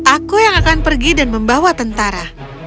aku yang akan pergi dan membawa tentara